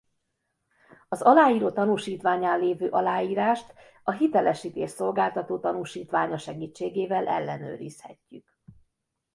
Az aláíró tanúsítványán lévő aláírást a hitelesítés szolgáltató tanúsítványa segítségével ellenőrizhetjük.